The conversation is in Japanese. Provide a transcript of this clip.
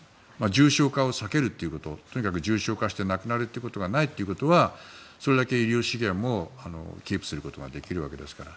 重症化を避けるということとにかく重症化して亡くなるということがないということはそれだけ医療資源もキープすることができるわけですから。